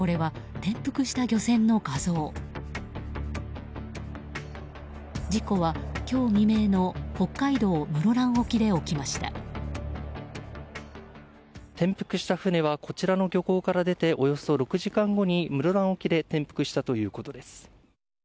転覆した船はこちらの漁港から出ておよそ６時間後に室蘭沖で転覆したということです。